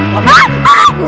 buat cepet kejap